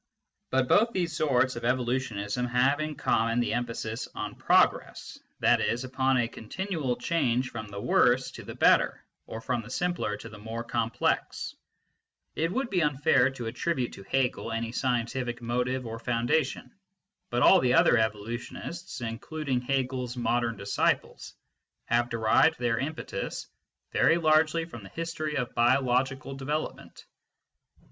But both these sorts of evolutionism have in common the emphasis on progress, that is, upon a continual change from the worse to the better, or from the simpler to the more complex. It 106 MYSTICISM AND LOGIC would be unfair to attribute to Hegel any scientific motive or foundation, but all the other evolutionists, including Hegel s modern disciples, have derived their impetus very largely from the history of biological development.